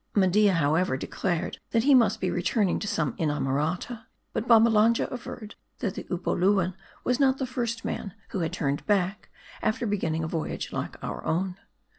Media, however, declared that he must be returning to some inamorata. But Babbalanja averred, that the Upoluan was not the first man, who had turned back, after beginning a voyage like our own.